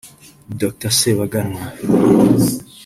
Dr Sebaganwa